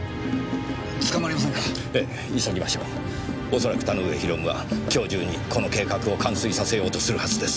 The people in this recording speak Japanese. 恐らく田ノ上啓は今日中にこの計画を完遂させようとするはずです。